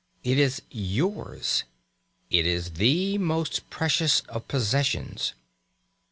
It is yours. It is the most precious of possessions.